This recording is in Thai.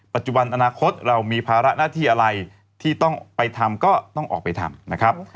ปัจจุบันอนาคตเรามีภาระหน้าที่อะไรที่ต้องไปทำก็ต้องออกไปทำนะครับ